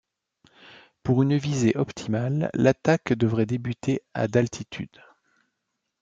Pour une visée optimale, l'attaque devait débuter à d'altitude.